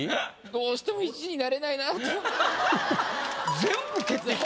どうしても１位になれないなと。